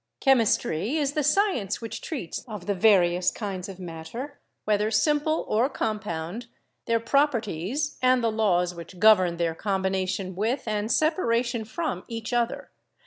"Chemistry is the science which treats of the various kinds of matter, whether simple or compound, their properties and the laws which govern their combination with and separation from each other."